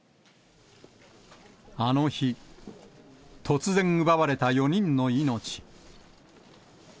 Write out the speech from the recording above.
あの日、突然奪われた４人の命。